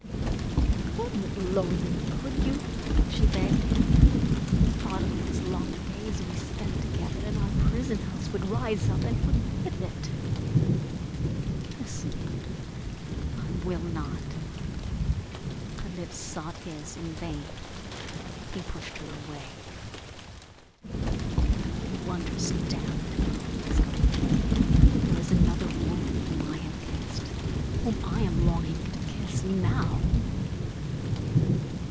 "You couldn't loathe me, could you?" she begged. "The thought of those long days we spent together in our prison house would rise up and forbid it. Kiss me." "I will not!" Her lips sought his, in vain. He pushed her away. "Don't you understand?" he exclaimed. "There is another woman whom I have kissed whom I am longing to kiss now."